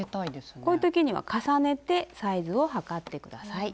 こういう時には重ねてサイズを測って下さい。